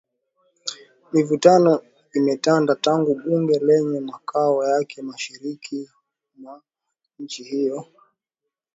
Mivutano imetanda tangu bunge lenye makao yake mashariki mwa nchi hiyo kumwapisha Waziri Mkuu mapema mwezi huu.